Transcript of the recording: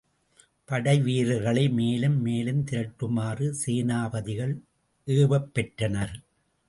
படைவீரர்களை மேலும் மேலும் திரட்டுமாறு சேனாபதிகள் ஏவப்பெற்றனர்.